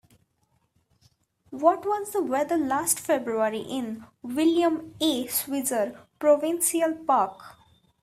What was the weather last February in William A. Switzer Provincial Park?